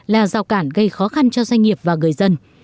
là rào cản gây khó khăn cho doanh nghiệp và người dân